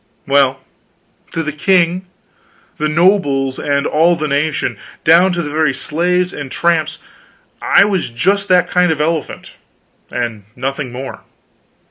Well, to the king, the nobles, and all the nation, down to the very slaves and tramps, I was just that kind of an elephant, and nothing more.